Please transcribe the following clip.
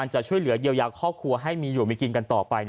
จะช่วยเยียวยาครอบครัวให้มีออกมากินต่อไป